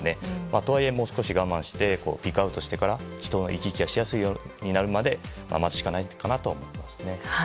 とはいえ、もう少し我慢してピークアウトしてから人の行き来がしやすいようになるまで待つしかないかなと思います。